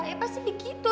ya pasti begitu